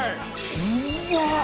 うまっ！